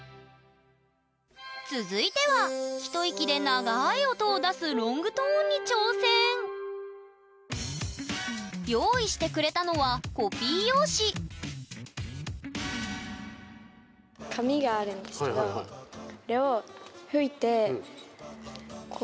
続いては一息で長い音を出すロングトーンに挑戦用意してくれたのはコピー用紙なるほど！が森本さんは８秒もつかな？